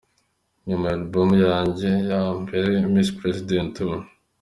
Nyuma ya albumu yanjye ya mbere Miss President, ubu.